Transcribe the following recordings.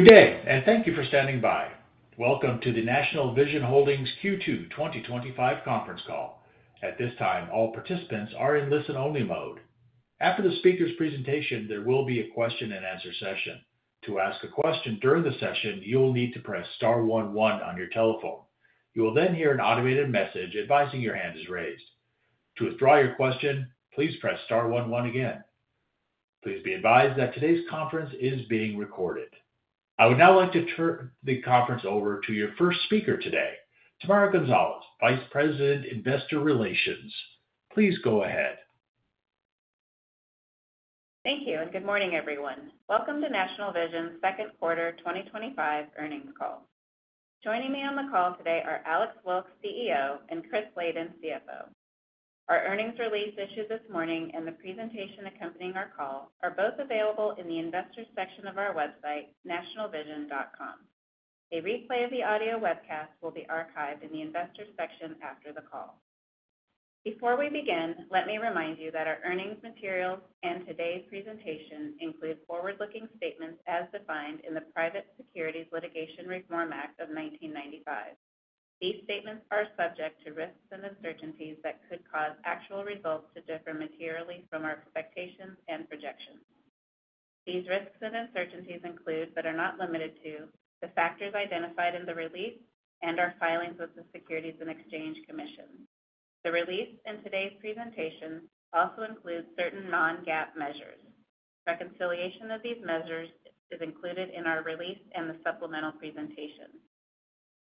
Good day, and thank you for standing by. Welcome to the National Vision Holdings Q2 2025 conference call. At this time, all participants are in listen-only mode. After the speaker's presentation, there will be a question-and-answer session. To ask a question during the session, you will need to press *11 on your telephone. You will then hear an automated message advising your hand is raised. To withdraw your question, please press *11 again. Please be advised that today's conference is being recorded. I would now like to turn the conference over to our first speaker today, Tamara Gonzalez, Vice President, Investor Relations. Please go ahead. Thank you, and good morning, everyone. Welcome to National Vision's second quarter 2025 earnings call. Joining me on the call today are Alex Wilkes, CEO, and Chris Laden, CFO. Our earnings release issued this morning and the presentation accompanying our call are both available in the Investors section of our website, nationalvision.com. A replay of the audio webcast will be archived in the Investors section after the call. Before we begin, let me remind you that our earnings materials and today's presentation include forward-looking statements as defined in the Private Securities Litigation Reform Act of 1995. These statements are subject to risks and uncertainties that could cause actual results to differ materially from our expectations and projections. These risks and uncertainties include, but are not limited to, the factors identified in the release and our filings with the Securities and Exchange Commission. The release and today's presentation also include certain non-GAAP measures. Reconciliation of these measures is included in our release and the supplemental presentation.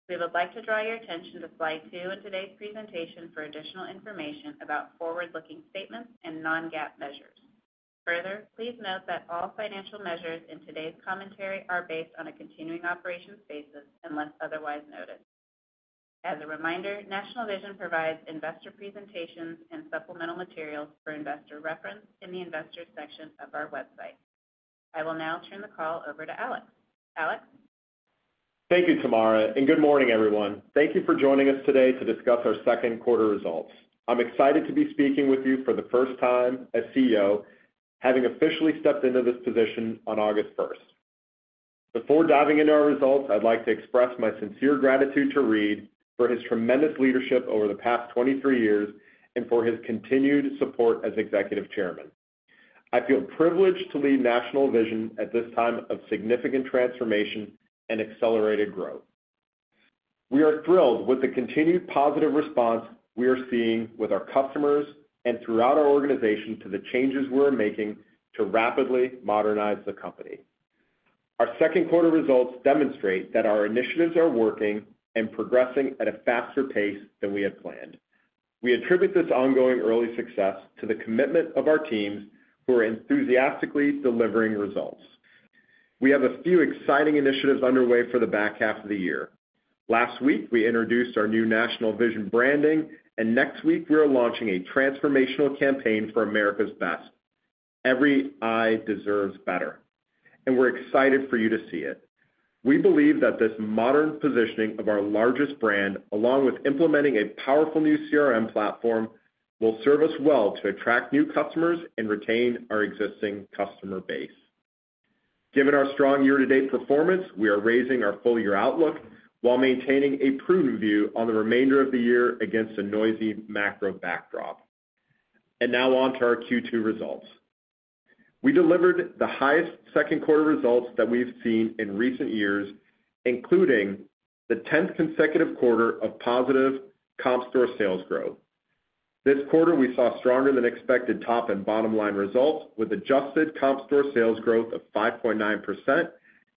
We would like to draw your attention to slide two in today's presentation for additional information about forward-looking statements and non-GAAP measures. Further, please note that all financial measures in today's commentary are based on a continuing operations basis unless otherwise noted. As a reminder, National Vision provides investor presentations and supplemental materials for investor reference in the Investors section of our website. I will now turn the call over to Alex. Alex? Thank you, Tamara, and good morning, everyone. Thank you for joining us today to discuss our second quarter results. I'm excited to be speaking with you for the first time as CEO, having officially stepped into this position on August 1. Before diving into our results, I'd like to express my sincere gratitude to Reade for his tremendous leadership over the past 23 years and for his continued support as Executive Chairman. I feel privileged to lead National Vision at this time of significant transformation and accelerated growth. We are thrilled with the continued positive response we are seeing with our customers and throughout our organization to the changes we're making to rapidly modernize the company. Our second quarter results demonstrate that our initiatives are working and progressing at a faster pace than we had planned. We attribute this ongoing early success to the commitment of our teams who are enthusiastically delivering results. We have a few exciting initiatives underway for the back half of the year. Last week, we introduced our new National Vision branding, and next week, we are launching a transformational campaign for America's Best. Every Eye Deserves Better, and we're excited for you to see it. We believe that this modern positioning of our largest brand, along with implementing a powerful new CRM platform, will serve us well to attract new customers and retain our existing customer base. Given our strong year-to-date performance, we are raising our full-year outlook while maintaining a prudent view on the remainder of the year against a noisy macro backdrop. Now on to our Q2 results. We delivered the highest second quarter results that we've seen in recent years, including the 10th consecutive quarter of positive comp store sales growth. This quarter, we saw stronger-than-expected top and bottom line results with adjusted comp store sales growth of 5.9%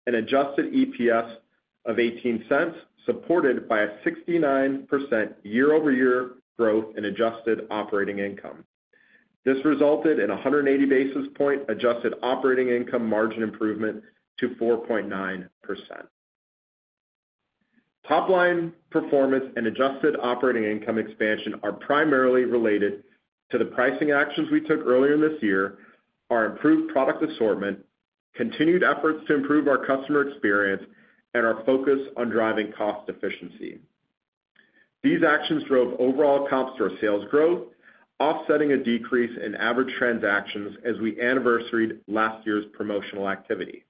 and adjusted EPS of $0.18, supported by a 69% year-over-year growth in adjusted operating income. This resulted in a 180 basis point adjusted operating income margin improvement to 4.9%. Top line performance and adjusted operating income expansion are primarily related to the pricing actions we took earlier in this year, our improved product assortment, continued efforts to improve our customer experience, and our focus on driving cost efficiency. These actions drove overall comp store sales growth, offsetting a decrease in average transactions as we anniversaried last year's promotional activity.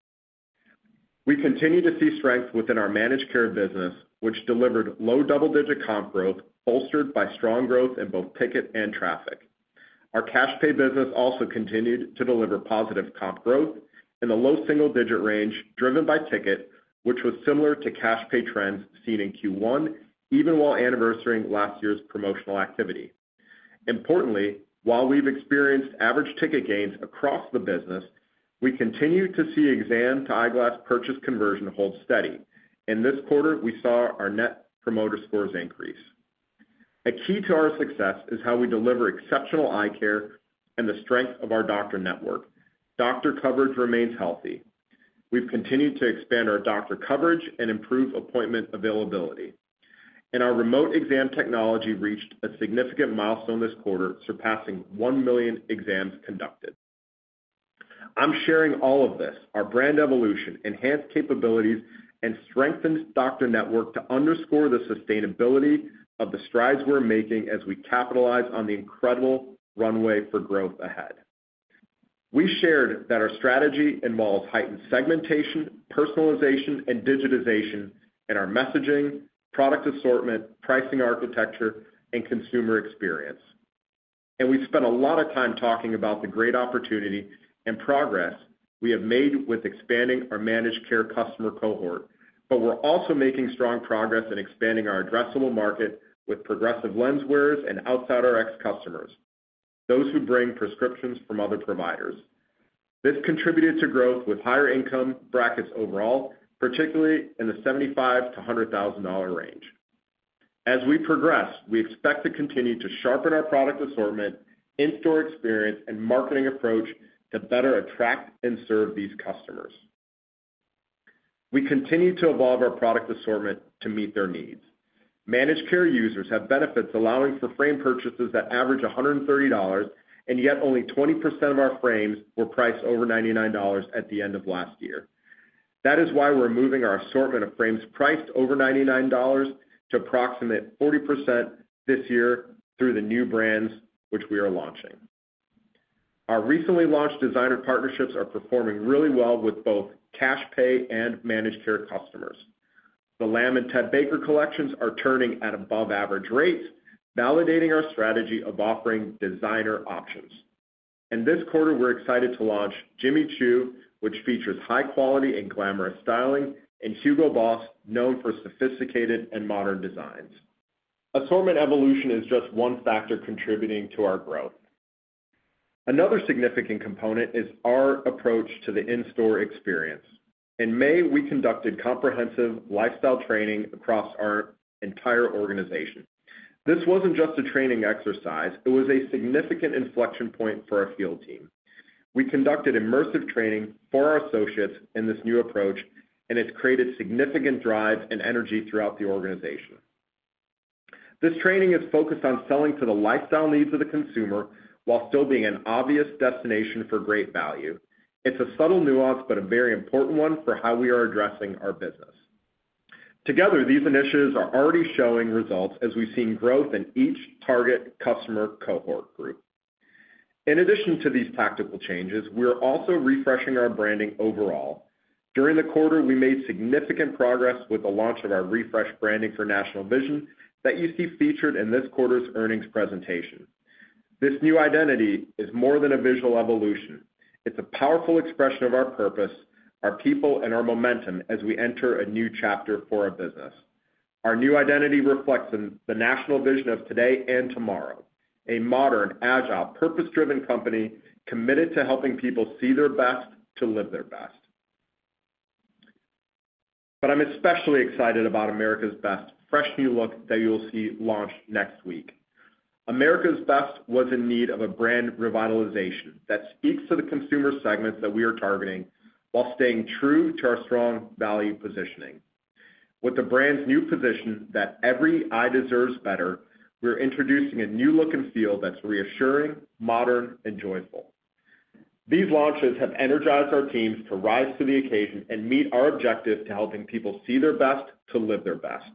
We continue to see strength within our managed care business, which delivered low double-digit comp growth, bolstered by strong growth in both ticket and traffic. Our cash pay business also continued to deliver positive comp growth in the low single-digit range driven by ticket, which was similar to cash pay trends seen in Q1, even while anniversarying last year's promotional activity. Importantly, while we've experienced average ticket gains across the business, we continue to see exam-to-eyeglass purchase conversion hold steady. In this quarter, we saw our net promoter scores increase. A key to our success is how we deliver exceptional eye care and the strength of our doctor network. Doctor coverage remains healthy. We've continued to expand our doctor coverage and improve appointment availability. Our remote exam technology reached a significant milestone this quarter, surpassing 1 million exams conducted. I'm sharing all of this, our brand evolution, enhanced capabilities, and strengthened doctor network to underscore the sustainability of the strides we're making as we capitalize on the incredible runway for growth ahead. We shared that our strategy involves heightened segmentation, personalization, and digitization in our messaging, product assortment, pricing architecture, and consumer experience. We spent a lot of time talking about the great opportunity and progress we have made with expanding our managed care customer cohort. We're also making strong progress in expanding our addressable market with progressive lens wearers and outside Rx customers, those who bring prescriptions from other providers. This contributed to growth with higher income brackets overall, particularly in the $75,000-$100,000 range. As we progress, we expect to continue to sharpen our product assortment, in-store experience, and marketing approach to better attract and serve these customers. We continue to evolve our product assortment to meet their needs. Managed care users have benefits allowing for frame purchases that average $130, and yet only 20% of our frames were priced over $99 at the end of last year. That is why we're moving our assortment of frames priced over $99 to approximately 40% this year through the new brands which we are launching. Our recently launched designer partnerships are performing really well with both cash pay and managed care customers. The L.A.M.B. and Ted Baker collections are turning at above-average rates, validating our strategy of offering designer options. This quarter, we're excited to launch Jimmy Choo, which features high-quality and glamorous styling, and HUGO BOSS, known for sophisticated and modern designs. Assortment evolution is just one factor contributing to our growth. Another significant component is our approach to the in-store experience. In May, we conducted comprehensive lifestyle training across our entire organization. This wasn't just a training exercise, it was a significant inflection point for our field team. We conducted immersive training for our associates in this new approach, and it's created significant drive and energy throughout the organization. This training is focused on selling to the lifestyle needs of the consumer while still being an obvious destination for great value. It's a subtle nuance, but a very important one for how we are addressing our business. Together, these initiatives are already showing results as we've seen growth in each target customer cohort group. In addition to these tactical changes, we're also refreshing our branding overall. During the quarter, we made significant progress with the launch of our refreshed branding for National Vision that you see featured in this quarter's earnings presentation. This new identity is more than a visual evolution. It's a powerful expression of our purpose, our people, and our momentum as we enter a new chapter for our business. Our new identity reflects the National Vision of today and tomorrow: a modern, agile, purpose-driven company committed to helping people see their best to live their best. I am especially excited about America's Best's fresh new look that you'll see launch next week. America's Best was in need of a brand revitalization that speaks to the consumer segments that we are targeting while staying true to our strong value positioning. With the brand's new position that Every Eye Deserves Better, we're introducing a new look and feel that's reassuring, modern, and joyful. These launches have energized our teams to rise to the occasion and meet our objective to helping people see their best to live their best.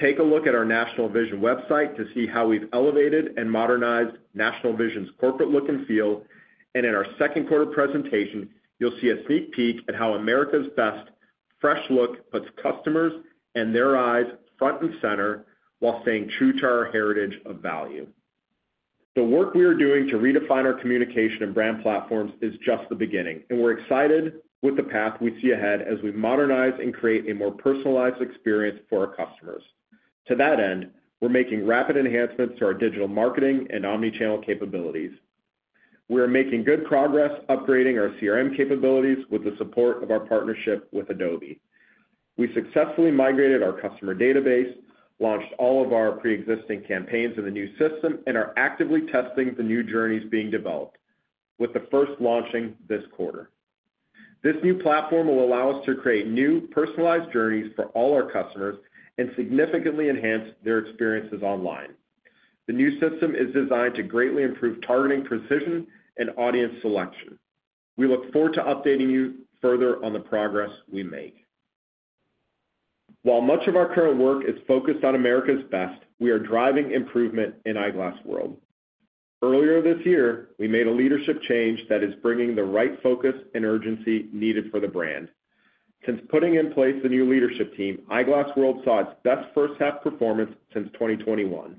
Take a look at our National Vision website to see how we've elevated and modernized National Vision's corporate look and feel. In our second quarter presentation, you'll see a sneak peek at how America's Best's fresh look puts customers and their eyes front and center while staying true to our heritage of value. The work we are doing to redefine our communication and brand platforms is just the beginning, and we're excited with the path we see ahead as we modernize and create a more personalized experience for our customers. To that end, we're making rapid enhancements to our digital marketing and omnichannel capabilities. We are making good progress upgrading our CRM capabilities with the support of our partnership with Adobe. We successfully migrated our customer database, launched all of our pre-existing campaigns in the new system, and are actively testing the new journeys being developed, with the first launching this quarter. This new platform will allow us to create new personalized journeys for all our customers and significantly enhance their experiences online. The new system is designed to greatly improve targeting precision and audience selection. We look forward to updating you further on the progress we make. While much of our current work is focused on America's Best, we are driving improvement in Eyeglass World. Earlier this year, we made a leadership change that is bringing the right focus and urgency needed for the brand. Since putting in place the new leadership team, Eyeglass World saw its best first-half performance since 2021.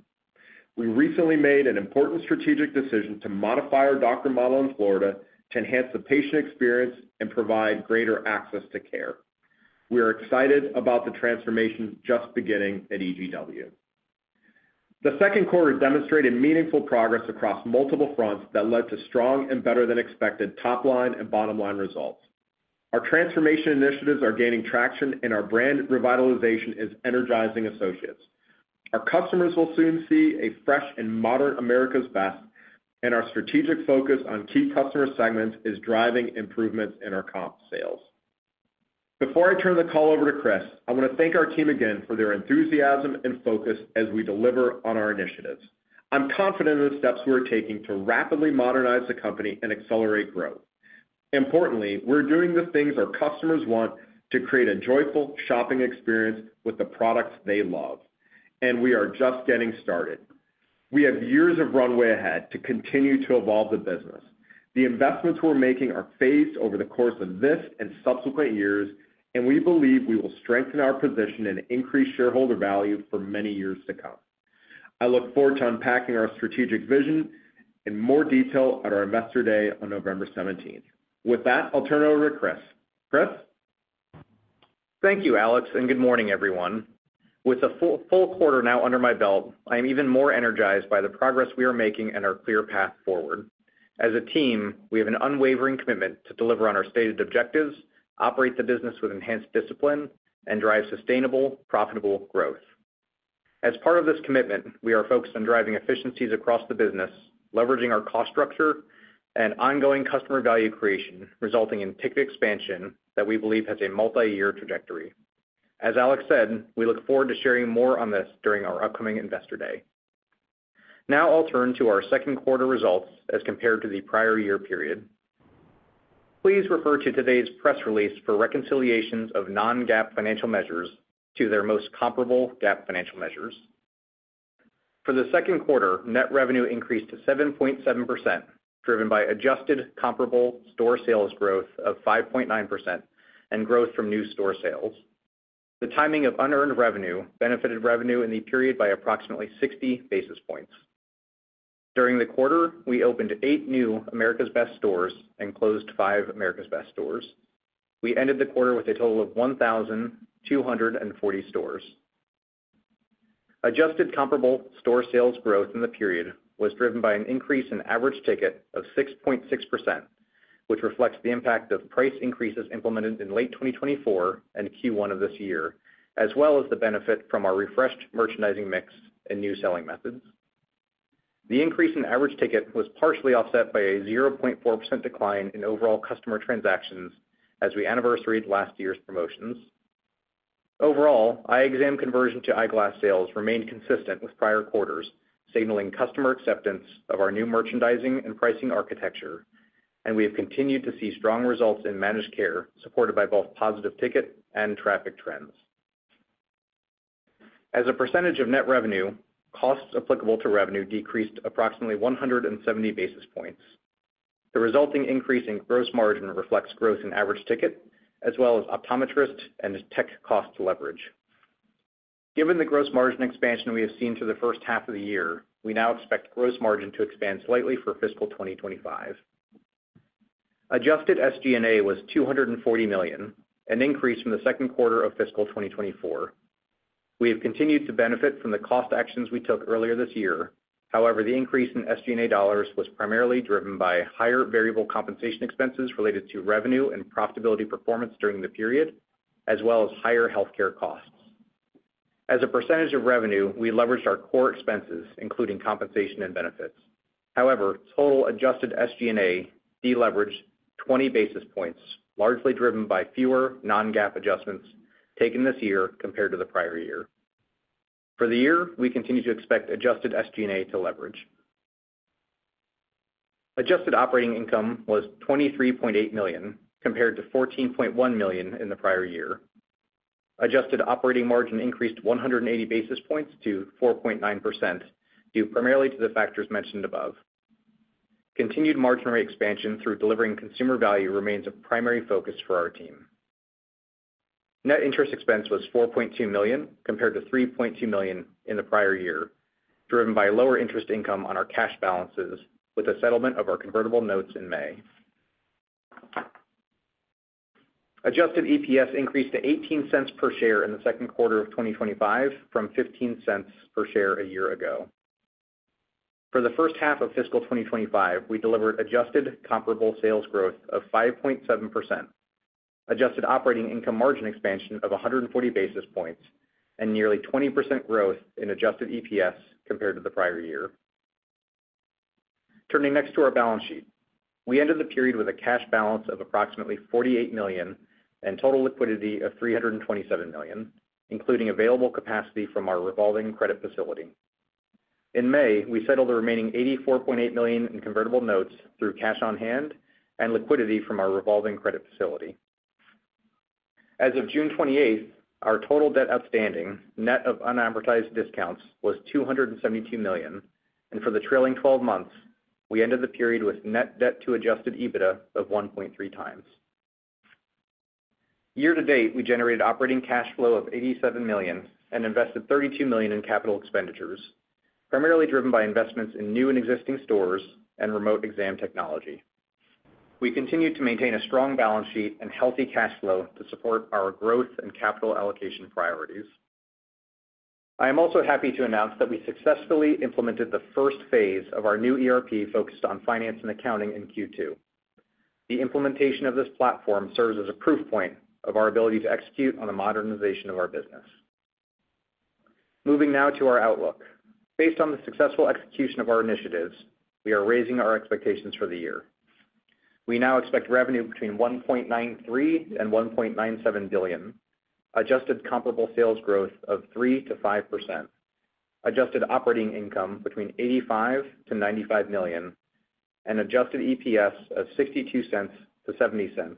We recently made an important strategic decision to modify our doctor model in Florida to enhance the patient experience and provide greater access to care. We are excited about the transformation just beginning at EGW. The second quarter demonstrated meaningful progress across multiple fronts that led to strong and better-than-expected top line and bottom line results. Our transformation initiatives are gaining traction, and our brand revitalization is energizing associates. Our customers will soon see a fresh and modern America's Best, and our strategic focus on key customer segments is driving improvements in our comp sales. Before I turn the call over to Chris, I want to thank our team again for their enthusiasm and focus as we deliver on our initiatives. I'm confident in the steps we're taking to rapidly modernize the company and accelerate growth. Importantly, we're doing the things our customers want to create a joyful shopping experience with the products they love, and we are just getting started. We have years of runway ahead to continue to evolve the business. The investments we're making are phased over the course of this and subsequent years, and we believe we will strengthen our position and increase shareholder value for many years to come. I look forward to unpacking our strategic vision in more detail at our Investor Day on November 17. With that, I'll turn it over to Chris. Chris? Thank you, Alex, and good morning, everyone. With a full quarter now under my belt, I'm even more energized by the progress we are making and our clear path forward. As a team, we have an unwavering commitment to deliver on our stated objectives, operate the business with enhanced discipline, and drive sustainable, profitable growth. As part of this commitment, we are focused on driving efficiencies across the business, leveraging our cost structure, and ongoing customer value creation, resulting in ticket expansion that we believe has a multi-year trajectory. As Alex said, we look forward to sharing more on this during our upcoming Investor Day. Now I'll turn to our second quarter results as compared to the prior year period. Please refer to today's press release for reconciliations of non-GAAP financial measures to their most comparable GAAP financial measures. For the second quarter, net revenue increased to 7.7%, driven by adjusted comparable store sales growth of 5.9% and growth from new store sales. The timing of unearned revenue benefited revenue in the period by approximately 60 basis points. During the quarter, we opened eight new America's Best stores and closed five America's Best stores. We ended the quarter with a total of 1,240 stores. Adjusted comparable store sales growth in the period was driven by an increase in average ticket of 6.6%, which reflects the impact of price increases implemented in late 2024 and Q1 of this year, as well as the benefit from our refreshed merchandising mix and new selling methods. The increase in average ticket was partially offset by a 0.4% decline in overall customer transactions as we anniversary last year's promotions. Overall, eye exam conversion to eyeglass sales remained consistent with prior quarters, signaling customer acceptance of our new merchandising and pricing architecture, and we have continued to see strong results in managed care, supported by both positive ticket and traffic trends. As a percentage of net revenue, costs applicable to revenue decreased approximately 170 basis points. The resulting increase in gross margin reflects growth in average ticket, as well as optometrist and tech cost leverage. Given the gross margin expansion we have seen through the first half of the year, we now expect gross margin to expand slightly for fiscal 2025. Adjusted SG&A was $240 million, an increase from the second quarter of fiscal 2024. We have continued to benefit from the cost actions we took earlier this year. However, the increase in SG&A dollars was primarily driven by higher variable compensation expenses related to revenue and profitability performance during the period, as well as higher healthcare costs. As a percentage of revenue, we leveraged our core expenses, including compensation and benefits. However, total adjusted SG&A deleveraged 20 basis points, largely driven by fewer non-GAAP adjustments taken this year compared to the prior year. For the year, we continue to expect adjusted SG&A to leverage. Adjusted operating income was $23.8 million, compared to $14.1 million in the prior year. Adjusted operating margin increased 180 basis points to 4.9%, due primarily to the factors mentioned above. Continued margin expansion through delivering consumer value remains a primary focus for our team. Net interest expense was $4.2 million, compared to $3.2 million in the prior year, driven by lower interest income on our cash balances, with the settlement of our convertible notes in May. Adjusted EPS increased to $0.18 per share in the second quarter of 2025, from $0.15 per share a year ago. For the first half of fiscal 2025, we delivered adjusted comparable store sales growth of 5.7%, adjusted operating income margin expansion of 140 basis points, and nearly 20% growth in adjusted EPS compared to the prior year. Turning next to our balance sheet, we ended the period with a cash balance of approximately $48 million and total liquidity of $327 million, including available capacity from our revolving credit facility. In May, we settled the remaining $84.8 million in convertible notes through cash on hand and liquidity from our revolving credit facility. As of June 28, our total debt outstanding, net of unamortized discounts, was $272 million, and for the trailing 12 months, we ended the period with net debt to adjusted EBITDA of 1.3 times. Year to date, we generated operating cash flow of $87 million and invested $32 million in capital expenditures, primarily driven by investments in new and existing stores and remote exam technology. We continue to maintain a strong balance sheet and healthy cash flow to support our growth and capital allocation priorities. I am also happy to announce that we successfully implemented the first phase of our new ERP focused on finance and accounting in Q2. The implementation of this platform serves as a proof point of our ability to execute on the modernization of our business. Moving now to our outlook. Based on the successful execution of our initiatives, we are raising our expectations for the year. We now expect revenue between $1.93-$1.97 billion, adjusted comparable store sales growth of 3%-5%, adjusted operating income between $85-$95 million, and adjusted EPS of $0.62-$0.70,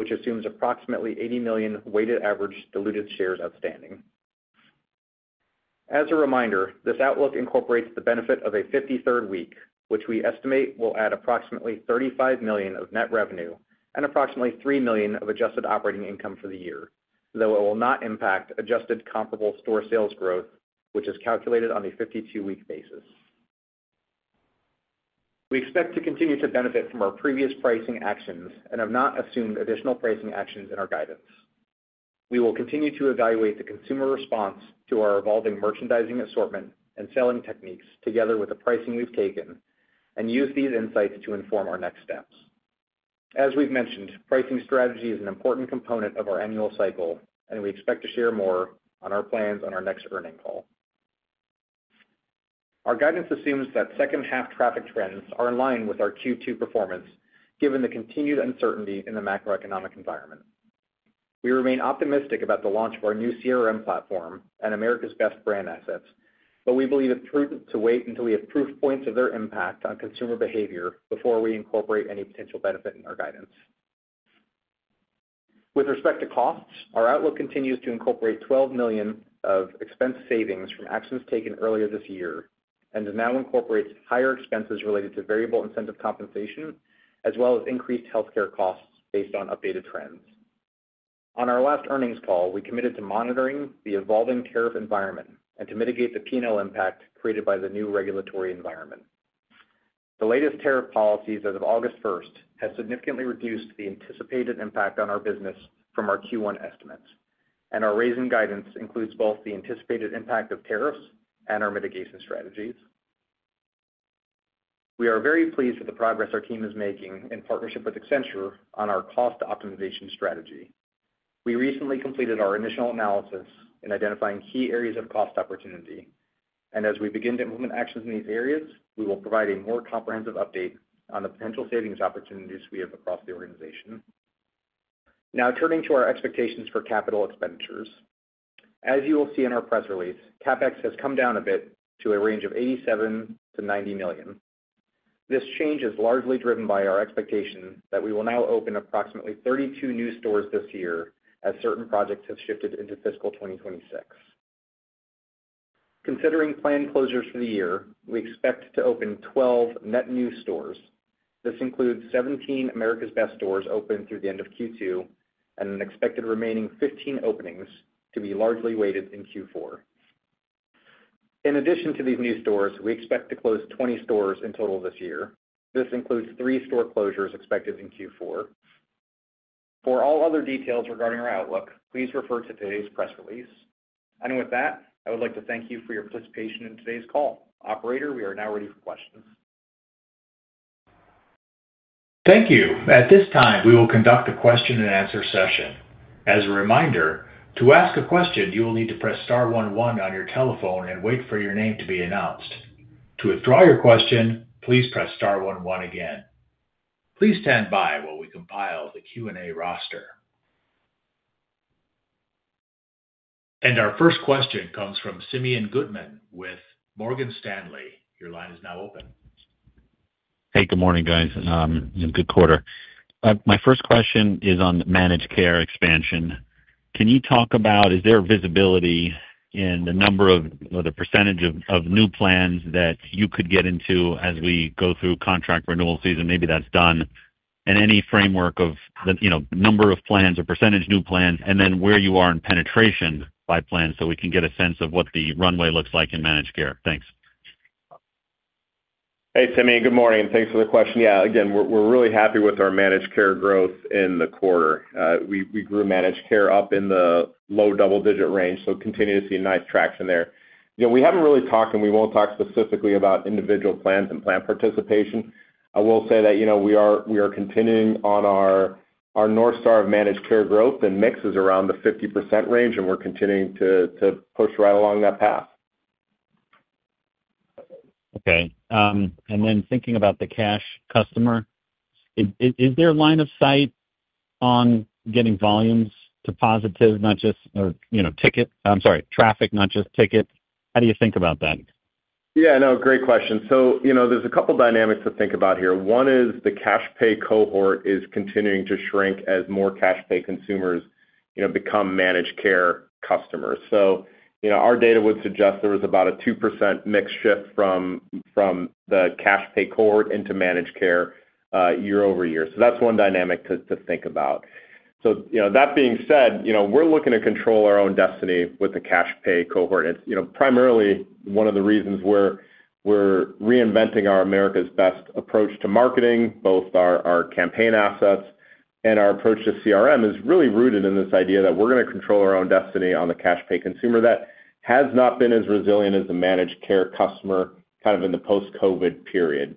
which assumes approximately 80 million weighted average diluted shares outstanding. As a reminder, this outlook incorporates the benefit of a 53rd week, which we estimate will add approximately $35 million of net revenue and approximately $3 million of adjusted operating income for the year, though it will not impact adjusted comparable store sales growth, which is calculated on a 52-week basis. We expect to continue to benefit from our previous pricing actions and have not assumed additional pricing actions in our guidance. We will continue to evaluate the consumer response to our evolving merchandising assortment and selling techniques, together with the pricing we've taken, and use these insights to inform our next steps. As we've mentioned, pricing strategy is an important component of our annual cycle, and we expect to share more on our plans on our next earnings call. Our guidance assumes that second-half traffic trends are in line with our Q2 performance, given the continued uncertainty in the macroeconomic environment. We remain optimistic about the launch of our new CRM platform and America's Best brand assets, but we believe it's prudent to wait until we have proof points of their impact on consumer behavior before we incorporate any potential benefit in our guidance. With respect to costs, our outlook continues to incorporate $12 million of expense savings from actions taken earlier this year, and it now incorporates higher expenses related to variable incentive compensation, as well as increased healthcare costs based on updated trends. On our last earnings call, we committed to monitoring the evolving tariff environment and to mitigate the P&L impact created by the new regulatory environment. The latest tariff policies as of August 1 have significantly reduced the anticipated impact on our business from our Q1 estimates, and our raising guidance includes both the anticipated impact of tariffs and our mitigation strategies. We are very pleased with the progress our team is making in partnership with Accenture on our cost optimization strategy. We recently completed our initial analysis in identifying key areas of cost opportunity, and as we begin to implement actions in these areas, we will provide a more comprehensive update on the potential savings opportunities we have across the organization. Now turning to our expectations for capital expenditures. As you will see in our press release, CapEx has come down a bit to a range of $87-$90 million. This change is largely driven by our expectation that we will now open approximately 32 new stores this year as certain projects have shifted into fiscal 2026. Considering planned closures for the year, we expect to open 12 net new stores. This includes 17 America's Best stores open through the end of Q2 and an expected remaining 15 openings to be largely weighted in Q4. In addition to these new stores, we expect to close 20 stores in total this year. This includes three store closures expected in Q4. For all other details regarding our outlook, please refer to today's press release. I would like to thank you for your participation in today's call. Operator, we are now ready for questions. Thank you. At this time, we will conduct the question and answer session. As a reminder, to ask a question, you will need to press *11 on your telephone and wait for your name to be announced. To withdraw your question, please press *11 again. Please stand by while we compile the Q&A roster. Our first question comes from Simeon Gutman with Morgan Stanley. Your line is now open. Hey, good morning, guys, and good quarter. My first question is on managed care expansion. Can you talk about, is there visibility in the number of, or the percentage of new plans that you could get into as we go through contract renewal season? Maybe that's done. Any framework of the number of plans or percentage new plans, and then where you are in penetration by plan so we can get a sense of what the runway looks like in managed care. Thanks. Hey, Simeon, good morning. Thanks for the question. Yeah, again, we're really happy with our managed care growth in the quarter. We grew managed care up in the low double-digit range, so continue to see nice traction there. We haven't really talked, and we won't talk specifically about individual plans and plan participation. I will say that we are continuing on our North Star of managed care growth, and mix is around the 50% range, and we're continuing to push right along that path. Okay. Thinking about the cash customer, is there a line of sight on getting volumes to positive, not just, you know, traffic, not just tickets? How do you think about that? Yeah, great question. There's a couple of dynamics to think about here. One is the cash pay cohort is continuing to shrink as more cash pay consumers become managed care customers. Our data would suggest there was about a 2% mix shift from the cash pay cohort into managed care year over year. That's one dynamic to think about. That being said, we're looking to control our own destiny with the cash pay cohort. It's primarily one of the reasons we're reinventing our America's Best approach to marketing. Both our campaign assets and our approach to CRM are really rooted in this idea that we're going to control our own destiny on the cash pay consumer that has not been as resilient as a managed care customer in the post-COVID period.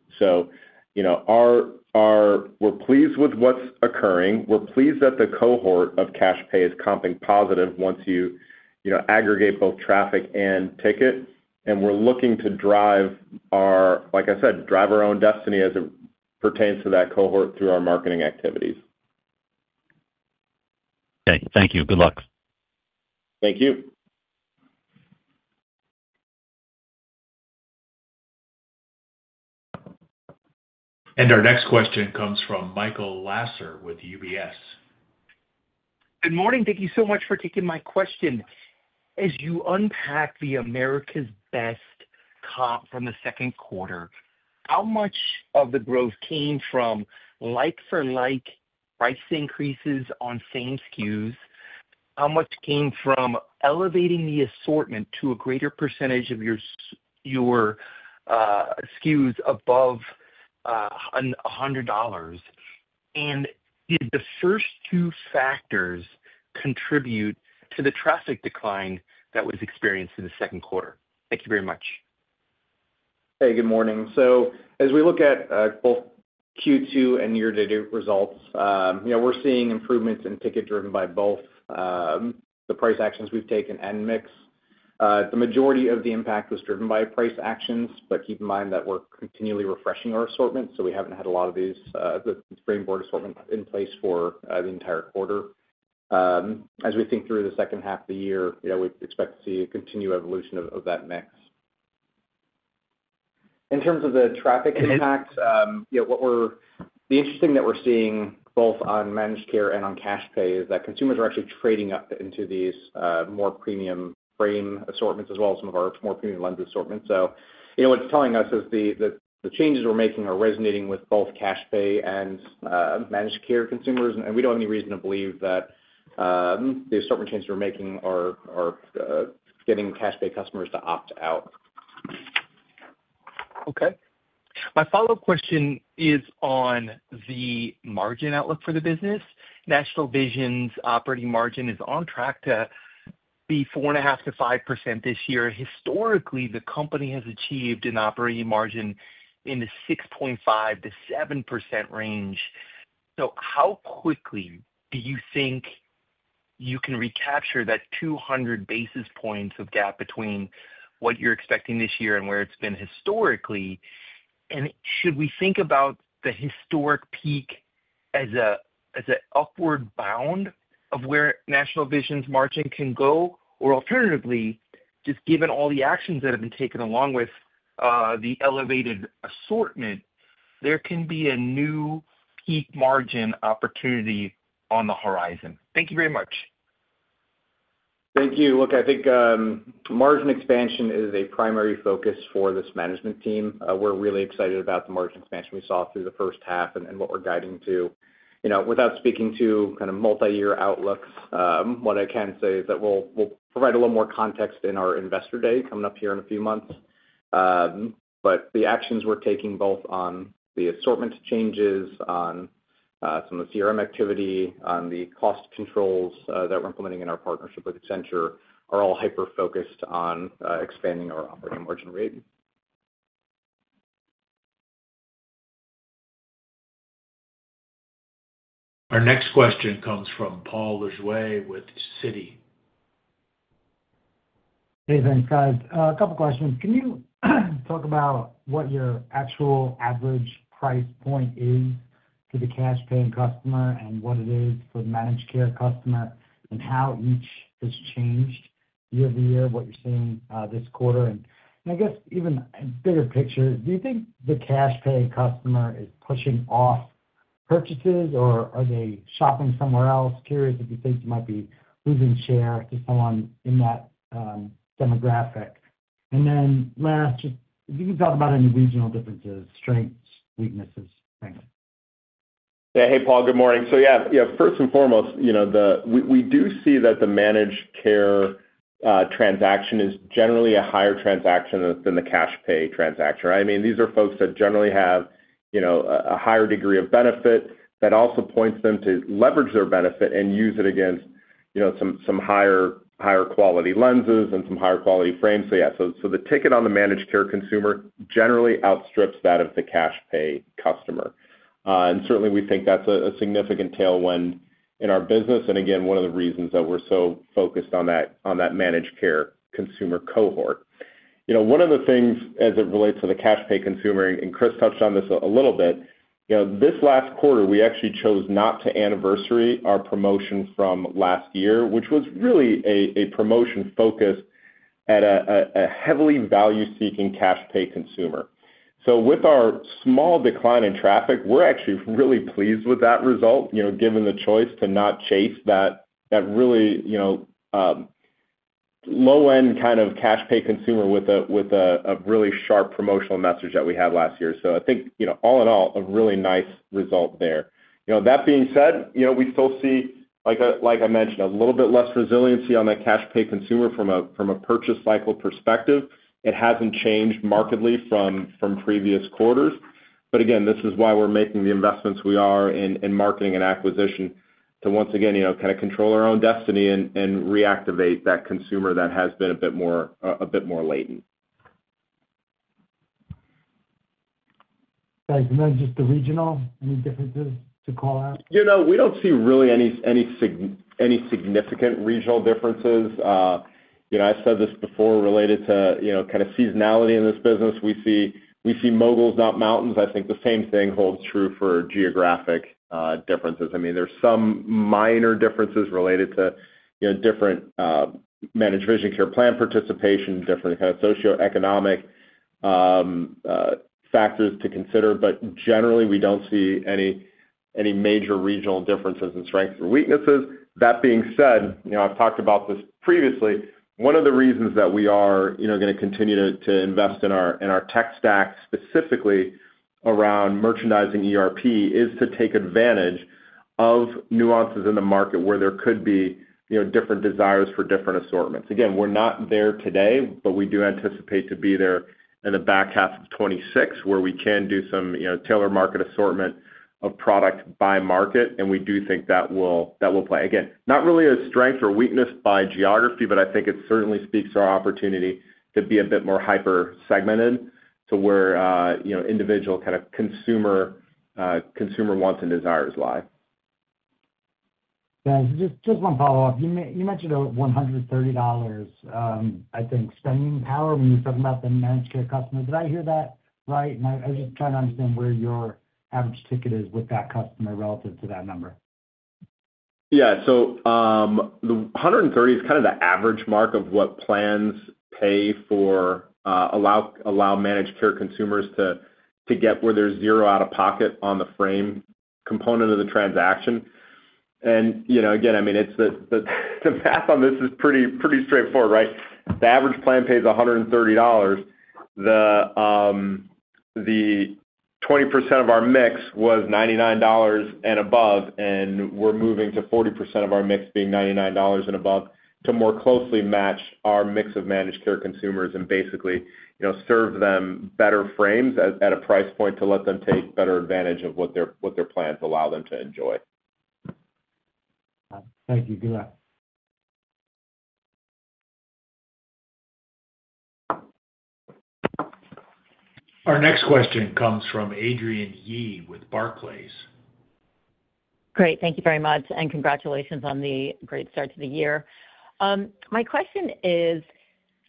We're pleased with what's occurring. We're pleased that the cohort of cash pay is comping positive once you aggregate both traffic and ticket. We're looking to drive our, like I said, drive our own destiny as it pertains to that cohort through our marketing activities. Thank you. Good luck. Thank you. Our next question comes from Michael Lasser with UBS. Good morning. Thank you so much for taking my question. As you unpack the America's Best comp from the second quarter, how much of the growth came from like-for-like price increases on same SKUs? How much came from elevating the assortment to a greater percentage of your SKUs above $100? Did the first two factors contribute to the traffic decline that was experienced in the second quarter? Thank you very much. Hey, good morning. As we look at both Q2 and year-to-date results, we're seeing improvements in ticket driven by both the price actions we've taken and mix. The majority of the impact was driven by price actions, but keep in mind that we're continually refreshing our assortment, so we haven't had a lot of the springboard assortment in place for the entire quarter. As we think through the second half of the year, we expect to see a continued evolution of that mix. In terms of the traffic impact, the interesting thing that we're seeing both on managed care and on cash pay is that consumers are actually trading up into these more premium frame assortments as well as some of our more premium lens assortments. What it's telling us is the changes we're making are resonating with both cash pay and managed care consumers, and we don't have any reason to believe that the assortment changes we're making are getting cash pay customers to opt out. Okay. My follow-up question is on the margin outlook for the business. National Vision's operating margin is on track to be 4.5%-5% this year. Historically, the company has achieved an operating margin in the 6.5%-7% range. How quickly do you think you can recapture that 200 basis points of gap between what you're expecting this year and where it's been historically? Should we think about the historic peak as an upward bound of where National Vision's margin can go? Alternatively, just given all the actions that have been taken along with the elevated assortment, there can be a new peak margin opportunity on the horizon. Thank you very much. Thank you. I think margin expansion is a primary focus for this management team. We're really excited about the margin expansion we saw through the first half and what we're guiding to. Without speaking to kind of multi-year outlooks, what I can say is that we'll provide a little more context in our Investor Day coming up here in a few months. The actions we're taking both on the assortment changes, on some of the CRM activity, and on the cost controls that we're implementing in our partnership with Accenture are all hyper-focused on expanding our operating margin rate. Our next question comes from Paul Lejuez with Citi. Hey, thanks, guys. A couple of questions. Can you talk about what your actual average price point is to the cash-paying customer and what it is for the managed care customer, and how each has changed year-to-year, what you're seeing this quarter? I guess even a bigger picture, do you think the cash-paying customer is pushing off purchases, or are they shopping somewhere else? Curious if you think they might be losing share to someone in that demographic. Last, if you can talk about any regional differences, strengths, weaknesses, things. Yeah, hey, Paul, good morning. First and foremost, we do see that the managed care transaction is generally a higher transaction than the cash-pay transaction. Right? I mean, these are folks that generally have a higher degree of benefit that also points them to leverage their benefit and use it against some higher-quality lenses and some higher-quality frames. The ticket on the managed care consumer generally outstrips that of the cash-pay customer. We think that's a significant tailwind in our business. Again, one of the reasons that we're so focused on that managed care consumer cohort. One of the things as it relates to the cash-pay consumer, and Chris touched on this a little bit, this last quarter, we actually chose not to anniversary our promotion from last year, which was really a promotion focused at a heavily value-seeking cash-pay consumer. With our small decline in traffic, we're actually really pleased with that result, given the choice to not chase that really low-end kind of cash-pay consumer with a really sharp promotional message that we had last year. I think, all in all, a really nice result there. That being said, we still see, like I mentioned, a little bit less resiliency on that cash-pay consumer from a purchase cycle perspective. It hasn't changed markedly from previous quarters. Again, this is why we're making the investments we are in marketing and acquisition to once again kind of control our own destiny and reactivate that consumer that has been a bit more latent. Guys, and then just the regional, any differences to call out? We don't see really any significant regional differences. I've said this before related to seasonality in this business. We see moguls, not mountains. I think the same thing holds true for geographic differences. There are some minor differences related to different managed care plan participation and different socioeconomic factors to consider. Generally, we don't see any major regional differences in strengths and weaknesses. That being said, I've talked about this previously. One of the reasons that we are going to continue to invest in our tech stack, specifically around merchandising ERP, is to take advantage of nuances in the market where there could be different desires for different assortments. We're not there today, but we do anticipate to be there in the back half of 2026, where we can do some tailored market assortment of product by market. We do think that will play. Not really a strength or weakness by geography, but I think it certainly speaks to our opportunity to be a bit more hyper-segmented to where individual consumer wants and desires lie. Just one follow-up. You mentioned $130, I think, spending power when you're talking about the managed care customer. Did I hear that right? I was just trying to understand where your average ticket is with that customer relative to that number. Yeah, the $130 is kind of the average mark of what plans pay for, allow managed care consumers to get where there's zero out-of-pocket on the frame component of the transaction. The math on this is pretty straightforward, right? The average plan pays $130. The 20% of our mix was $99 and above, and we're moving to 40% of our mix being $99 and above to more closely match our mix of managed care consumers and basically serve them better frames at a price point to let them take better advantage of what their plans allow them to enjoy. Thank you. Good luck. Our next question comes from Adrienne Yih with Barclays. Great. Thank you very much, and congratulations on the great start to the year. My question is,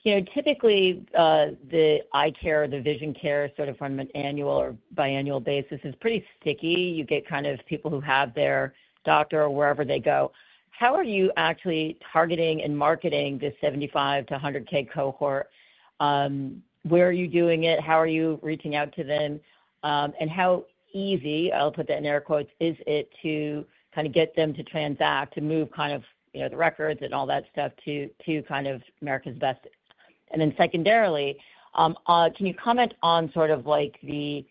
you know, typically, the eye care, the vision care, sort of on an annual or biannual basis is pretty sticky. You get kind of people who have their doctor or wherever they go. How are you actually targeting and marketing this $75,000-$100,000 cohort? Where are you doing it? How are you reaching out to them? How easy, I'll put that in air quotes, is it to kind of get them to transact, to move kind of, you know, the records and all that stuff to kind of America's Best? Secondarily, can you comment on sort of like the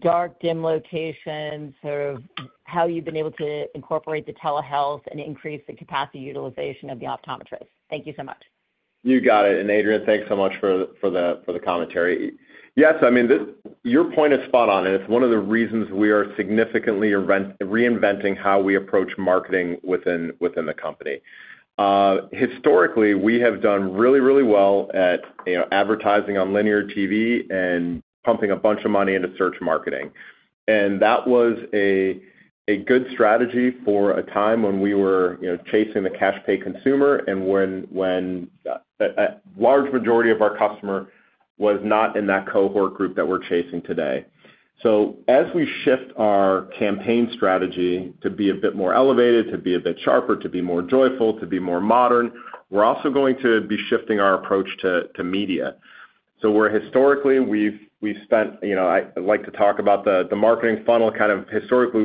dark, dim locations, sort of how you've been able to incorporate the telehealth and increase the capacity utilization of the optometrist? Thank you so much. You got it. Adrienne, thanks so much for the commentary. Your point is spot on, and it's one of the reasons we are significantly reinventing how we approach marketing within the company. Historically, we have done really, really well at advertising on linear TV and pumping a bunch of money into search marketing. That was a good strategy for a time when we were chasing the cash-pay consumer and when a large majority of our customer was not in that cohort group that we're chasing today. As we shift our campaign strategy to be a bit more elevated, to be a bit sharper, to be more joyful, to be more modern, we're also going to be shifting our approach to media. Where historically we've spent, you know, I like to talk about the marketing funnel, kind of historically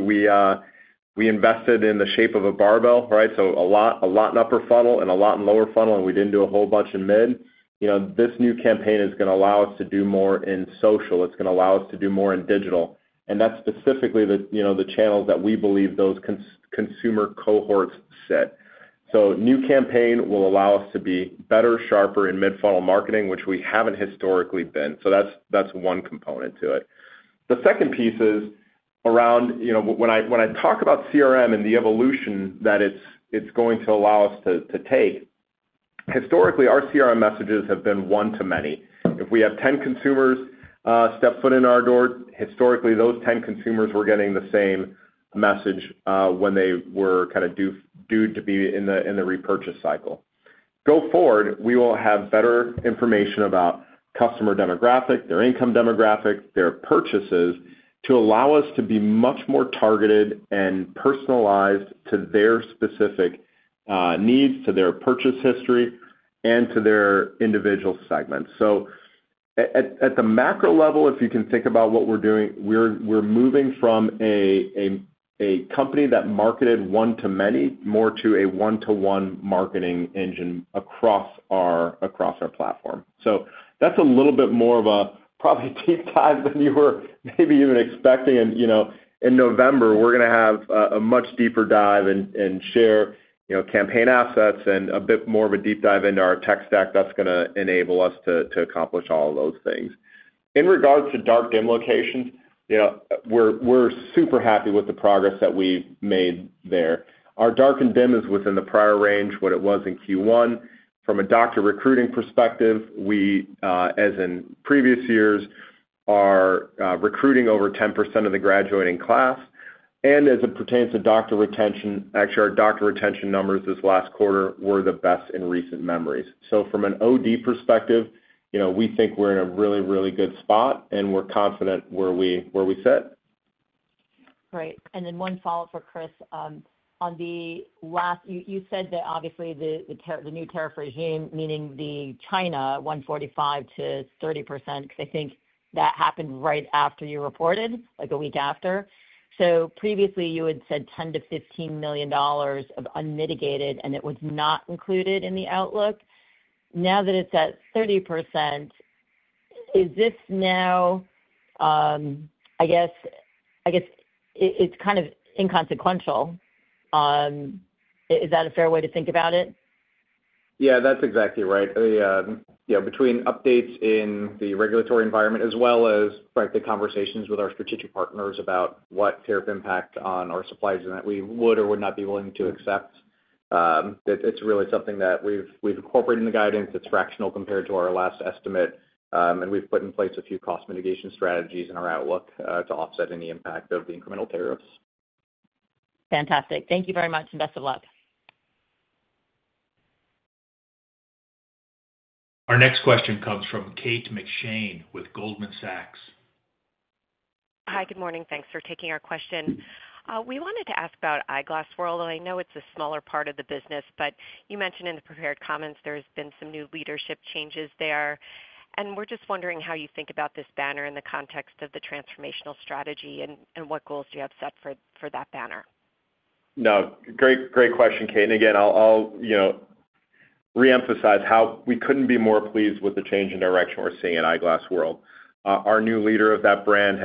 we invested in the shape of a barbell, right? A lot in upper funnel and a lot in lower funnel, and we didn't do a whole bunch in mid. This new campaign is going to allow us to do more in social. It's going to allow us to do more in digital. That's specifically the channels that we believe those consumer cohorts sit. New campaign will allow us to be better, sharper in mid-funnel marketing, which we haven't historically been. That's one component to it. The second piece is around, you know, when I talk about CRM and the evolution that it's going to allow us to take, historically, our CRM messages have been one to many. If we have 10 consumers step foot in our door, historically, those 10 consumers were getting the same message when they were kind of due to be in the repurchase cycle. Go forward, we will have better information about customer demographic, their income demographic, their purchases to allow us to be much more targeted and personalized to their specific needs, to their purchase history, and to their individual segments. At the macro level, if you can think about what we're doing, we're moving from a company that marketed one to many more to a one-to-one marketing engine across our platform. That's a little bit more of a probably deep dive than you were maybe even expecting. In November, we're going to have a much deeper dive and share campaign assets and a bit more of a deep dive into our tech stack that's going to enable us to accomplish all of those things. In regards to dark, dim locations, we're super happy with the progress that we made there. Our dark and dim is within the prior range what it was in Q1. From a doctor recruiting perspective, we, as in previous years, are recruiting over 10% of the graduating class. As it pertains to doctor retention, actually, our doctor retention numbers this last quarter were the best in recent memories. From an OD perspective, you know, we think we're in a really, really good spot, and we're confident where we sit. Right. One follow-up for Chris. On the last, you said that obviously the new tariff regime, meaning the China, 145%- 30%, because I think that happened right after you reported, like a week after. Previously, you had said $10 million- $15 million of unmitigated, and it was not included in the outlook. Now that it's at 30%, is this now, I guess it's kind of inconsequential. Is that a fair way to think about it? Yeah, that's exactly right. You know, between updates in the regulatory environment, as well as frankly conversations with our strategic partners about what tariff impacts on our supplies and that we would or would not be willing to accept, it's really something that we've incorporated in the guidance. It's fractional compared to our last estimate. We've put in place a few cost mitigation strategies in our outlook to offset any impact of the incremental tariffs. Fantastic. Thank you very much, and best of luck. Our next question comes from Kate McShane with Goldman Sachs. Hi, good morning. Thanks for taking our question. We wanted to ask about Eyeglass World, and I know it's a smaller part of the business, but you mentioned in the prepared comments there's been some new leadership changes there. We're just wondering how you think about this banner in the context of the transformational strategy and what goals do you have set for that banner? Great question, Kate. I'll reemphasize how we couldn't be more pleased with the change in direction we're seeing at Eyeglass World. Our new leader of that brand,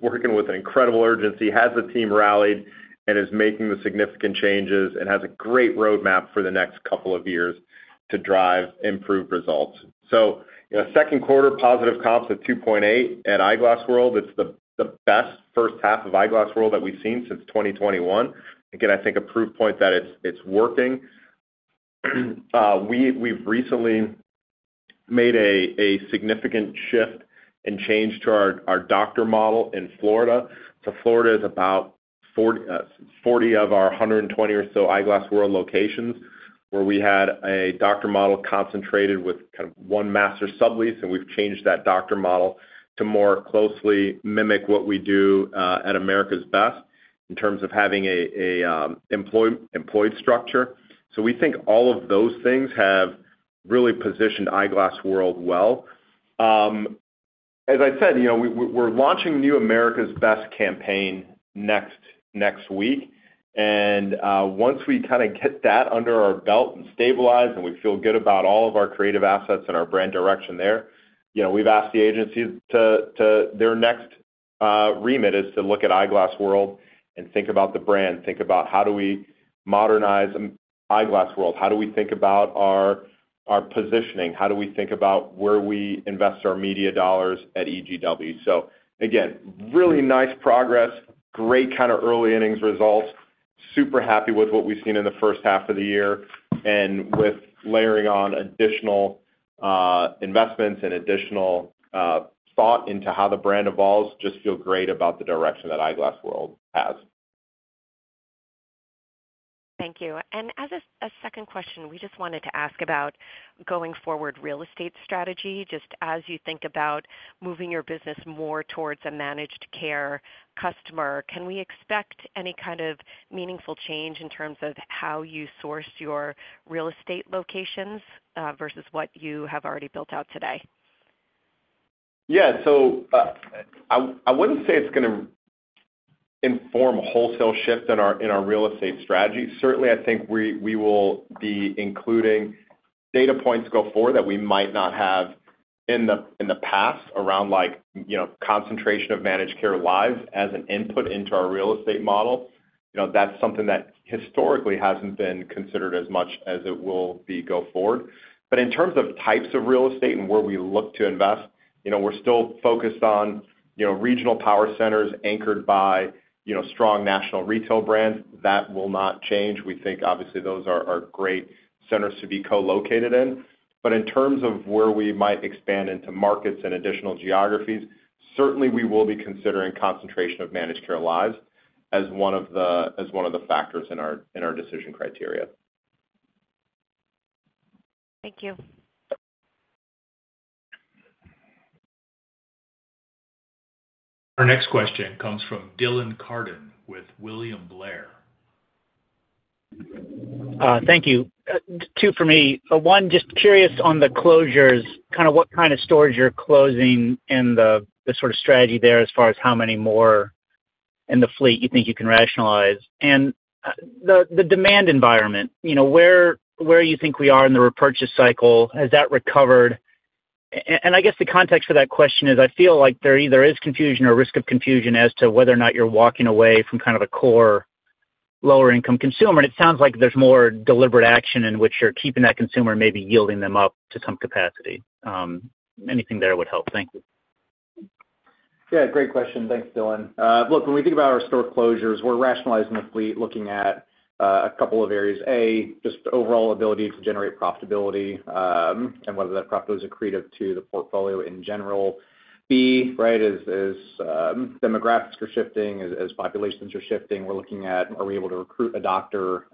working with incredible urgency, has a team rallied and is making significant changes and has a great roadmap for the next couple of years to drive improved results. Second quarter positive comps at 2.8% at Eyeglass World. It's the best first half of Eyeglass World that we've seen since 2021. I think a proof point that it's working. We've recently made a significant shift and change to our doctor model in Florida. Florida is about 40 of our 120 or so Eyeglass World locations where we had a doctor model concentrated with one master sublease, and we've changed that doctor model to more closely mimic what we do at America's Best in terms of having an employed structure. We think all of those things have really positioned Eyeglass World well. As I said, we're launching the new America's Best campaign next week. Once we get that under our belt and stabilized, and we feel good about all of our creative assets and our brand direction there, we've asked the agency to, their next remit is to look at Eyeglass World and think about the brand, think about how do we modernize Eyeglass World, how do we think about our positioning, how do we think about where we invest our media dollars at EGW. Really nice progress, great early innings results, super happy with what we've seen in the first half of the year, and with layering on additional investments and additional thought into how the brand evolves, just feel great about the direction that Eyeglass World has. Thank you. As a second question, we just wanted to ask about going forward real estate strategy, just as you think about moving your business more towards a managed care customer. Can we expect any kind of meaningful change in terms of how you source your real estate locations versus what you have already built out today? Yeah, so I wouldn't say it's going to inform a wholesale shift in our real estate strategy. Certainly, I think we will be including data points going forward that we might not have in the past around, like, you know, concentration of managed care lives as an input into our real estate model. You know, that's something that historically hasn't been considered as much as it will be going forward. In terms of types of real estate and where we look to invest, we're still focused on regional power centers anchored by strong national retail brands. That will not change. We think obviously those are great centers to be co-located in. In terms of where we might expand into markets and additional geographies, certainly we will be considering concentration of managed care lives as one of the factors in our decision criteria. Thank you. Our next question comes from Dylan Carden with William Blair. Thank you. Two for me. One, just curious on the closures, what kind of stores you're closing and the sort of strategy there as far as how many more in the fleet you think you can rationalize. The demand environment, where you think we are in the repurchase cycle, has that recovered? The context for that question is I feel like there either is confusion or risk of confusion as to whether or not you're walking away from a core lower-income consumer. It sounds like there's more deliberate action in which you're keeping that consumer, maybe yielding them up to comp capacity. Anything there would help. Thank you. Yeah, great question. Thanks, Dylan. Look, when we think about our store closures, we're rationalizing the fleet, looking at a couple of areas. A, just overall ability to generate profitability and whether that profitability is accretive to the portfolio in general. B, as demographics are shifting, as populations are shifting, we're looking at are we able to recruit a doctor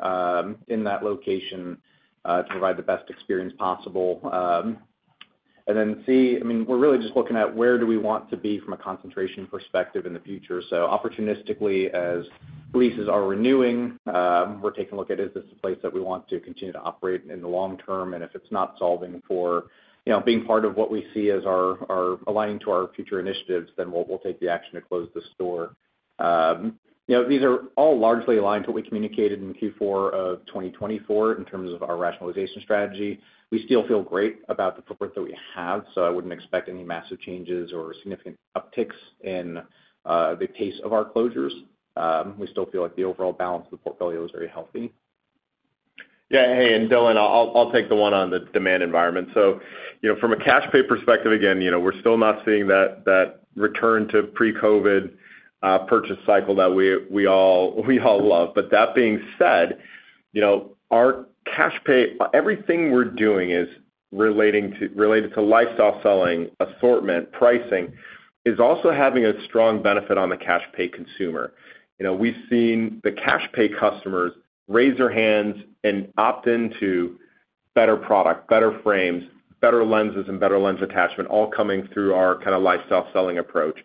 in that location to provide the best experience possible. C, we're really just looking at where do we want to be from a concentration perspective in the future. Opportunistically, as leases are renewing, we're taking a look at is this the place that we want to continue to operate in the long term. If it's not solving for being part of what we see as our aligning to our future initiatives, then we'll take the action to close the store. These are all largely aligned to what we communicated in Q4 of 2024 in terms of our rationalization strategy. We still feel great about the footwork that we have, so I wouldn't expect any massive changes or significant upticks in the pace of our closures. We still feel like the overall balance of the portfolio is very healthy. Yeah, hey, and Dylan, I'll take the one on the demand environment. From a cash pay perspective, again, we're still not seeing that return to pre-COVID purchase cycle that we all love. That being said, our cash pay, everything we're doing is related to lifestyle selling, assortment, pricing, is also having a strong benefit on the cash pay consumer. We've seen the cash pay customers raise their hands and opt into better product, better frames, better lenses, and better lens attachment, all coming through our kind of lifestyle selling approach.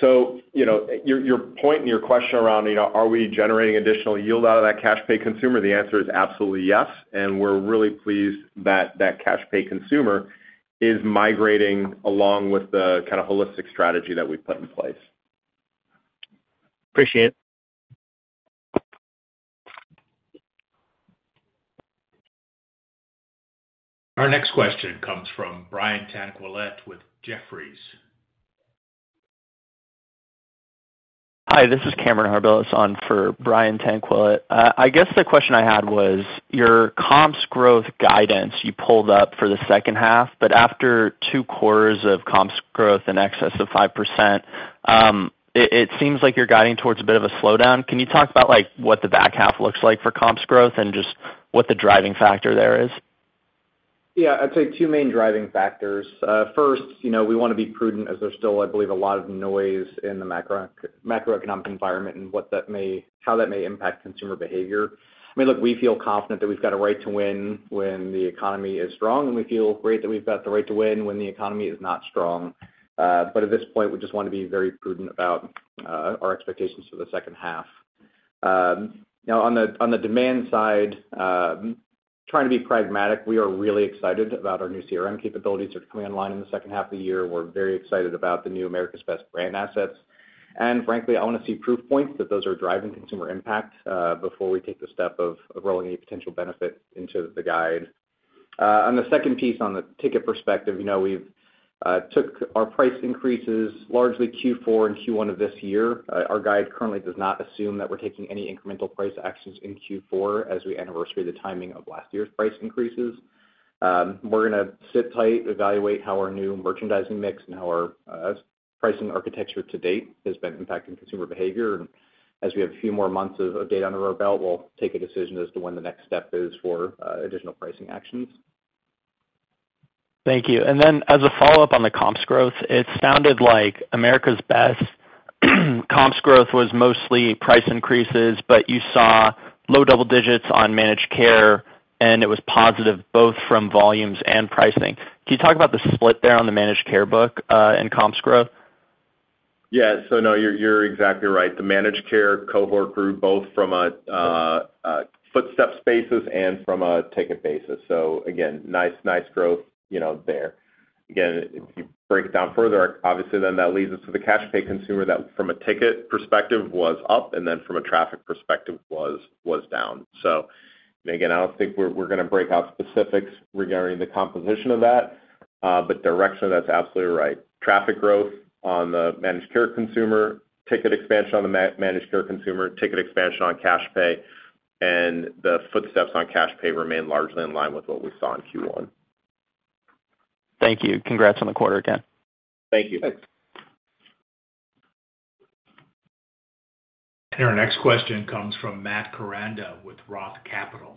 Your point and your question around, you know, are we generating additional yield out of that cash pay consumer? The answer is absolutely yes. We're really pleased that that cash pay consumer is migrating along with the kind of holistic strategy that we've put in place. Appreciate it. Our next question comes from Brian Tanquilut with Jefferies. Hi, this is Cameron Harbilas on for Brian Tanquilut. I guess the question I had was your comp growth guidance you pulled up for the second half, but after two quarters of comp growth in excess of 5%, it seems like you're guiding towards a bit of a slowdown. Can you talk about what the back half looks like for comp growth and just what the driving factor there is? Yeah, I'd say two main driving factors. First, you know, we want to be prudent as there's still, I believe, a lot of noise in the macroeconomic environment and what that may, how that may impact consumer behavior. I mean, look, we feel confident that we've got a right to win when the economy is strong, and we feel great that we've got the right to win when the economy is not strong. At this point, we just want to be very prudent about our expectations for the second half. Now, on the demand side, trying to be pragmatic, we are really excited about our new CRM capabilities that are coming online in the second half of the year. We're very excited about the new America's Best brand assets. Frankly, I want to see proof points that those are driving consumer impact before we take the step of rolling any potential benefit into the guide. On the second piece, on the ticket perspective, you know, we took our price increases largely Q4 and Q1 of this year. Our guide currently does not assume that we're taking any incremental price actions in Q4 as we anniversary the timing of last year's price increases. We're going to sit tight, evaluate how our new merchandising mix and how our pricing architecture to date has been impacting consumer behavior. As we have a few more months of data under our belt, we'll take a decision as to when the next step is for additional pricing actions. Thank you. As a follow-up on the comp growth, it sounded like America's Best comp growth was mostly price increases, but you saw low double digits on managed care, and it was positive both from volumes and pricing. Can you talk about the split there on the managed care book and comp growth? Yeah, no, you're exactly right. The managed care cohort grew both from a footstep basis and from a ticket basis. Nice growth there. If you break it down further, obviously that leads us to the cash pay consumer that from a ticket perspective was up and from a traffic perspective was down. I don't think we're going to break out specifics regarding the composition of that, but directionally, that's absolutely right. Traffic growth on the managed care consumer, ticket expansion on the managed care consumer, ticket expansion on cash pay, and the footsteps on cash pay remain largely in line with what we saw in Q1. Thank you. Congrats on the quarter again. Thank you. Thanks. Our next question comes from Matt Koranda with ROTH Capital.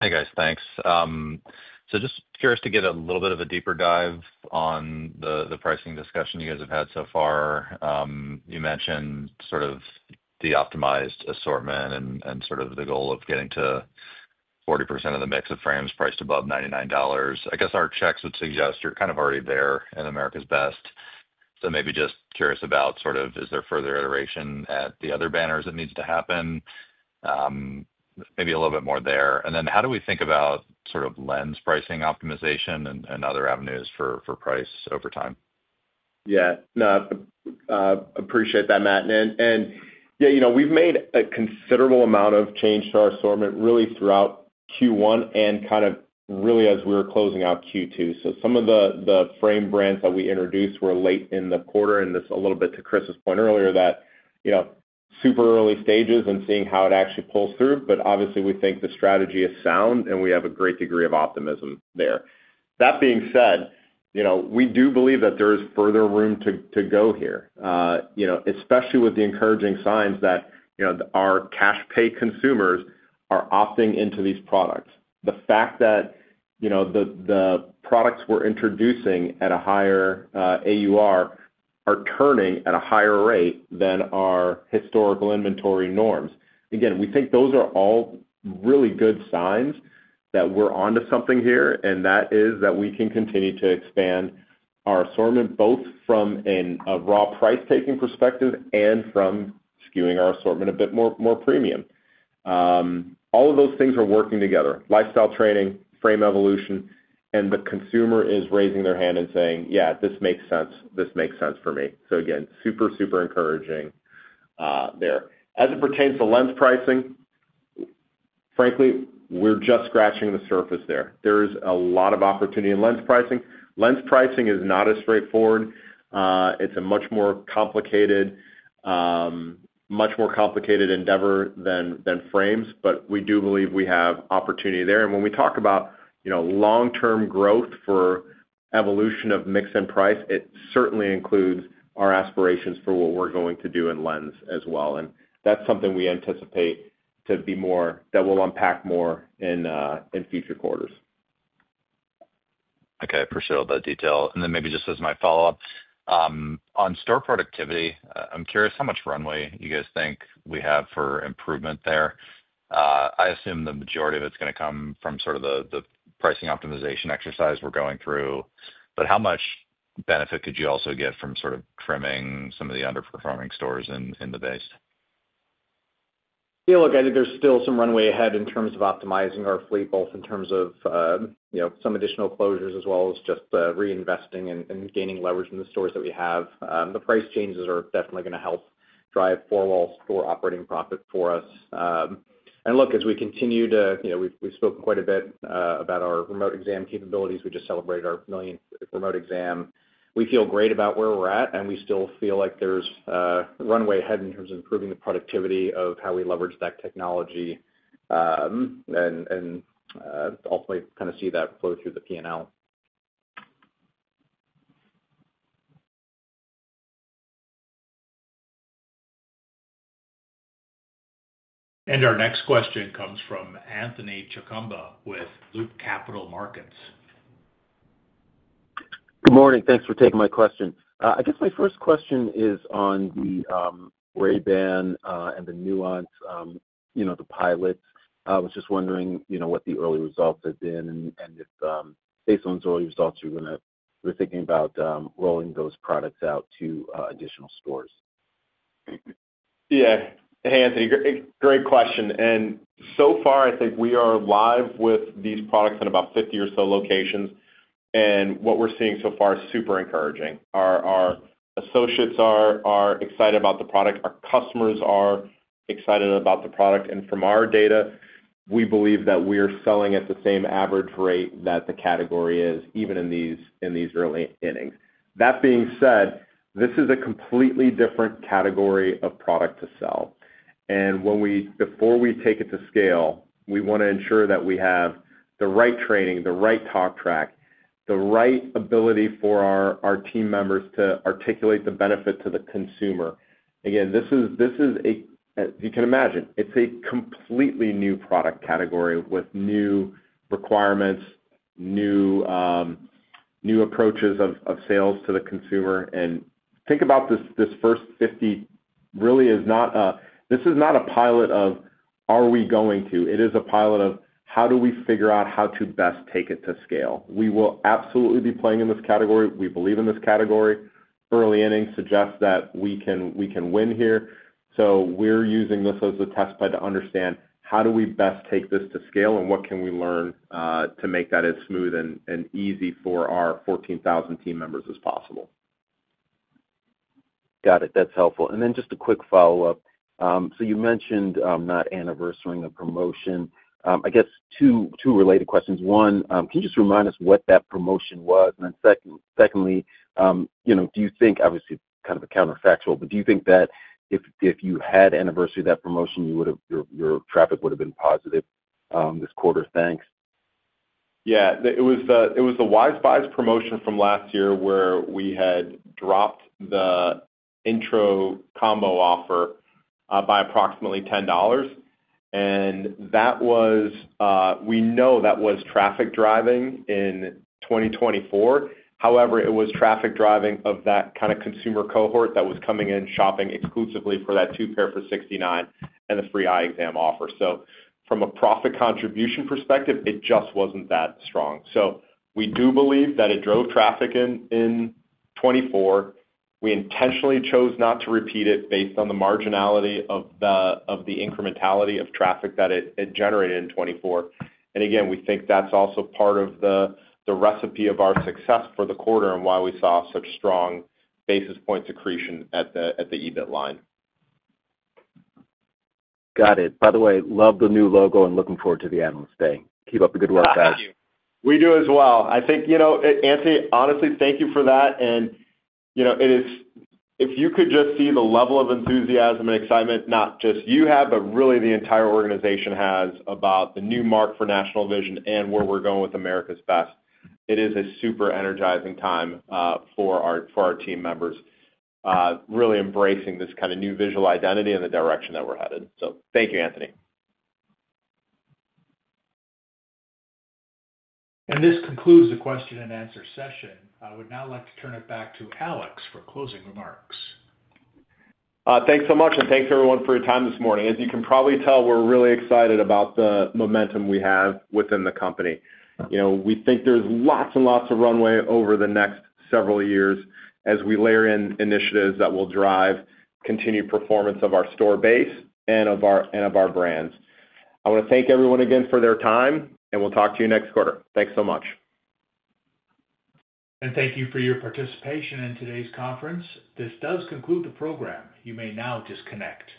Hey guys, thanks. Just curious to get a little bit of a deeper dive on the pricing discussion you guys have had so far. You mentioned the optimized assortment and the goal of getting to 40% of the mix of frames priced above $99. I guess our checks would suggest you're kind of already there in America's Best. Maybe just curious about is there further iteration at the other banners that needs to happen, maybe a little bit more there. How do we think about lens pricing optimization and other avenues for price over time? I appreciate that, Matt. We've made a considerable amount of change to our assortment throughout Q1 and as we're closing out Q2. Some of the frame brands that we introduced were late in the quarter, and this is a little bit to Chris's point earlier that it's super early stages and seeing how it actually pulls through. Obviously, we think the strategy is sound and we have a great degree of optimism there. That being said, we do believe that there is further room to go here, especially with the encouraging signs that our cash pay consumers are opting into these products. The fact that the products we're introducing at a higher AUR are turning at a higher rate than our historical inventory norms. We think those are all really good signs that we're onto something here, and that is that we can continue to expand our assortment both from a raw price-taking perspective and from skewing our assortment a bit more premium. All of those things are working together. Lifestyle training, frame evolution, and the consumer is raising their hand and saying, "Yeah, this makes sense. This makes sense for me." Again, super, super encouraging there. As it pertains to lens pricing, frankly, we're just scratching the surface there. There is a lot of opportunity in lens pricing. Lens pricing is not as straightforward. It's a much more complicated, much more complicated endeavor than frames, but we do believe we have an opportunity there. When we talk about long-term growth for evolution of mix and price, it certainly includes our aspirations for what we're going to do in lens as well. That's something we anticipate to be more that we'll unpack more in future quarters. Okay, I appreciate all that detail. Maybe just as my follow-up, on store productivity, I'm curious how much runway you guys think we have for improvement there. I assume the majority of it's going to come from sort of the pricing optimization exercise we're going through. How much benefit could you also get from trimming some of the underperforming stores in the base? Yeah, look, I think there's still some runway ahead in terms of optimizing our fleet, both in terms of some additional closures as well as just reinvesting and gaining leverage in the stores that we have. The price changes are definitely going to help drive forward our operating profit for us. As we continue to, we've spoken quite a bit about our remote exam capabilities. We just celebrated our millionth remote exam. We feel great about where we're at, and we still feel like there's runway ahead in terms of improving the productivity of how we leverage that technology. I'll probably kind of see that flow through the P&L. Our next question comes from Anthony Chukumba with Loop Capital Markets Good morning. Thanks for taking my question. I guess my first question is on the Ray-Ban and the Nuance, you know, the pilots. I was just wondering what the early results have been, and if based on those early results, you're going to be thinking about rolling those products out to additional stores. Yeah, hey, Anthony, great question. So far, I think we are live with these products in about 50 or so locations, and what we're seeing so far is super encouraging. Our associates are excited about the product. Our customers are excited about the product. From our data, we believe that we are selling at the same average rate that the category is, even in these early innings. That being said, this is a completely different category of product to sell. Before we take it to scale, we want to ensure that we have the right training, the right talk track, the right ability for our team members to articulate the benefit to the consumer. Again, you can imagine, it's a completely new product category with new requirements, new approaches of sales to the consumer. Think about this, this first 50 really is not a, this is not a pilot of, are we going to? It is a pilot of, how do we figure out how to best take it to scale? We will absolutely be playing in this category. We believe in this category. Early innings suggest that we can win here. We're using this as a test bed to understand how do we best take this to scale and what can we learn to make that as smooth and easy for our 14,000 team members as possible. Got it. That's helpful. Just a quick follow-up. You mentioned not anniversarying the promotion. I guess two related questions. One, can you just remind us what that promotion was? Secondly, do you think, obviously kind of a counterfactual, but do you think that if you had anniversaried that promotion, your traffic would have been positive this quarter? Thanks. Yeah, it was the Wise Buys promotion from last year where we had dropped the intro combo offer by approximately $10. That was, we know that was traffic driving in 2024. However, it was traffic driving of that kind of consumer cohort that was coming in shopping exclusively for that two pair for $69 and the free eye exam offer. From a profit contribution perspective, it just wasn't that strong. We do believe that it drove traffic in 2024. We intentionally chose not to repeat it based on the marginality of the incrementality of traffic that it generated in 2024. We think that's also part of the recipe of our success for the quarter and why we saw such strong basis point secretion at the EBITDA line. Got it. By the way, love the new logo and looking forward to the Analyst Day. Keep up the good work, guys. Thank you. We do as well. I think, you know, Anthony, honestly, thank you for that. If you could just see the level of enthusiasm and excitement, not just you have, but really the entire organization has about the new mark for National Vision and where we're going with America's Best. It is a super energizing time for our team members, really embracing this kind of new visual identity in the direction that we're headed. Thank you, Anthony. This concludes the question and answer session. I would now like to turn it back to Alex for closing remarks. Thanks so much, and thanks everyone for your time this morning. As you can probably tell, we're really excited about the momentum we have within the company. We think there's lots and lots of runway over the next several years as we layer in initiatives that will drive continued performance of our store base and of our brands. I want to thank everyone again for their time, and we'll talk to you next quarter. Thanks so much. Thank you for your participation in today's conference. This does conclude the program. You may now disconnect.